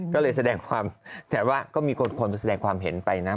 ก็เลยแสดงความแต่ว่าก็มีคนแสดงความเห็นไปนะ